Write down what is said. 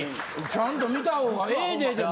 ちゃんと見た方がええででも。